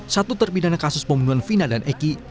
satu terpidana kasus pembunuhan vina dan eki